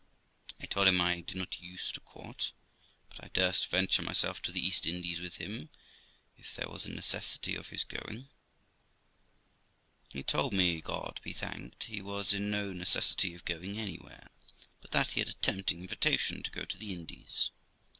I told him I did not use to court, but I durst venture myself to the East Indies with him, if there was a necessity of his going. He told me, God be thanked, he was in no necessity of going anywhere, but that he had a tempting invitation to go to the Indies.